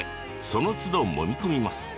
そのつど、もみ込みます。